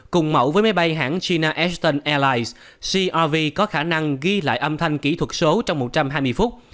cùng mẫu với máy bay hãng china eston airlines crv có khả năng ghi lại âm thanh kỹ thuật số trong một trăm hai mươi phút